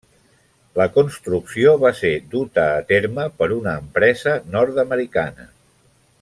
La construcció va ser duta a terme per una empresa nord-americana.